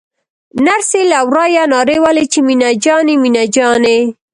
نرسې له ورايه نارې وهلې چې مينه جانې مينه جانې.